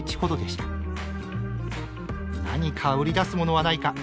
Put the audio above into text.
何か売り出すものはないか。